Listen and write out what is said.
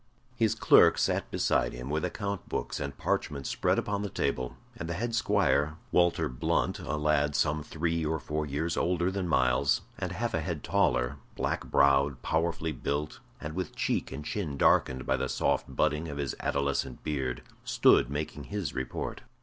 His clerk sat beside him, with account books and parchment spread upon the table, and the head squire, Walter Blunt, a lad some three or four years older than Myles, and half a head taller, black browed, powerfully built, and with cheek and chin darkened by the soft budding of his adolescent beard, stood making his report.